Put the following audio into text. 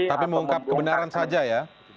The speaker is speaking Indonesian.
tapi mengungkap kebenaran saja ya